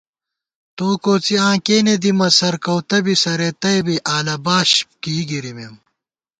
تو کوڅی آں کېنے دِمہ سرکؤتہ بی سرېتَئ بی اَلہ باش کېئ گِرِمېم